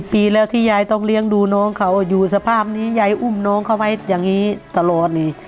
ปีแล้วที่ยายต้องเลี้ยงดูน้องเขาอยู่สภาพนี้ยายอุ้มน้องเขาไว้อย่างนี้ตลอดนี่